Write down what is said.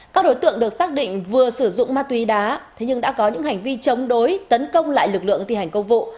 các đối tượng được xác định vừa sử dụng ma túy đá thế nhưng đã có những hành vi chống đối tấn công lại lực lượng thi hành công vụ